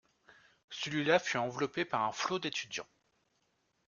Celui-là fut enveloppé par un flot d'étudiants.